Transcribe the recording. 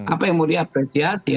apa yang mau diapresiasi